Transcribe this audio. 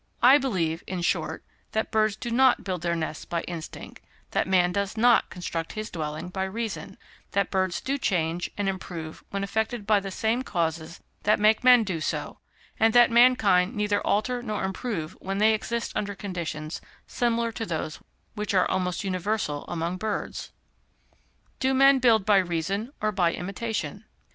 I believe, in short, that birds do not build their nests by instinct; that man does not construct his dwelling by reason; that birds do change and improve when affected by the same causes that make men do so; and that mankind neither alter nor improve when they exist under conditions similar to those which are almost universal among birds. _Do Men build by Reason or by Imitation?